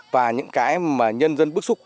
và những cái mà nhân dân bức xúc